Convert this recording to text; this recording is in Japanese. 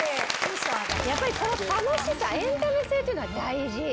やっぱりこの楽しさ、エンタメ性というのは大事。